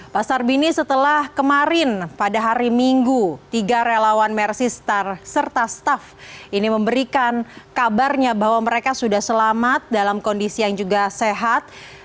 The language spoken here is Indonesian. pak sarbini setelah kemarin pada hari minggu tiga relawan mersi serta staff ini memberikan kabarnya bahwa mereka sudah selamat dalam kondisi yang juga sehat